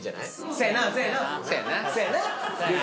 せやな！